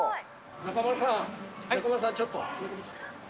中丸さん、ちょっと。